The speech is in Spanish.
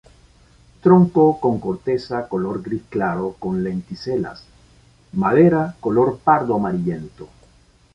Tronco con corteza color gris claro, con lenticelas; madera color pardo amarillento.